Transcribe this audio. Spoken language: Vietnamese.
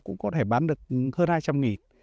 cũng có thể bán được hơn hai trăm linh nghìn